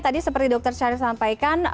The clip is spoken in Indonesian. tadi seperti dokter syarif sampaikan